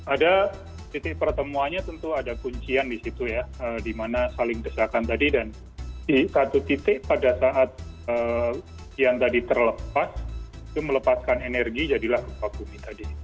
ada titik pertemuannya tentu ada kuncian di situ ya di mana saling desakan tadi dan di satu titik pada saat yang tadi terlepas itu melepaskan energi jadilah gempa bumi tadi